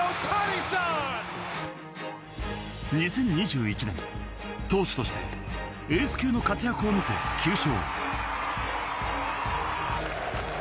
２０２１年、投手としてエース級の活躍を見せ９勝。